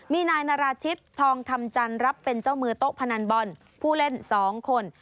มีนายนาราชิตทองคำจันทร์รับเป็นเจ้ามือโต๊ะพนันบอลผู้เล่น๒คน